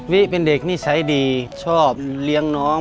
เป็นเด็กนิสัยดีชอบเลี้ยงน้อง